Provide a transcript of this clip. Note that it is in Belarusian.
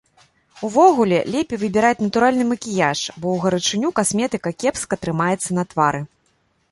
Увогуле лепей выбіраць натуральны макіяж, бо ў гарачыню касметыка кепска трымаецца на твары.